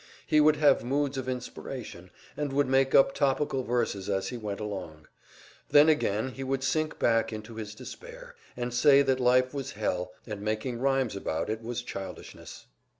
He would have moods of inspiration, and would make up topical verses as he went along; then again he would sink back into his despair, and say that life was hell, and making rhymes about it was childishness.